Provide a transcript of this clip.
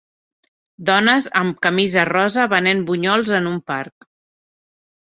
dones amb camisa rosa venent bunyols en un parc.